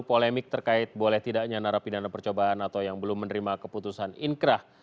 polemik terkait boleh tidaknya narapidana percobaan atau yang belum menerima keputusan inkrah